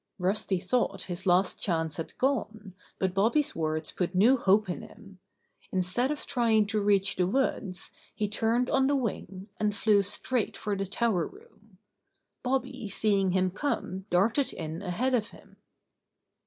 Rusty thought his last chance had gone, but Bobby's words put new hope in him. In stead of trying to reach the woods, he turned on the wing, and flew straight for the tower room. Bobby seeing him come darted in ahead of him.